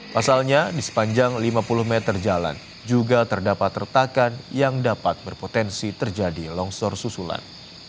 pasalnya di sepanjang lima puluh meter jalan juga terdapat retakan yang dapat berpotensi terjadi longsor susulan